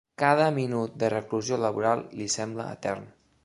Cada minut de reclusió laboral li sembla etern.